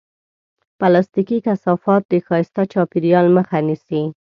پلاستيکي کثافات د ښایسته چاپېریال مخه نیسي.